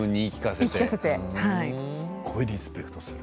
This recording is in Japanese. すごい。リスペクトする。